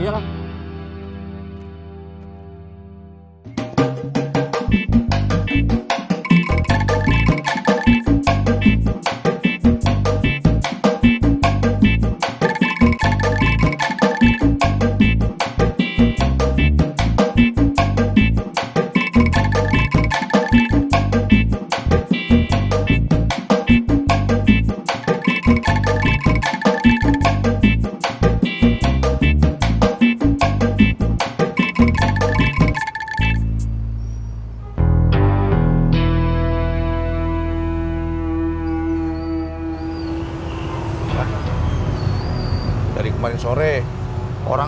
nanti dia akan berjalan